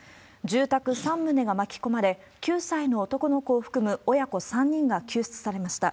住宅３棟が巻き込まれ、９歳の男の子を含む親子３人が救出されました。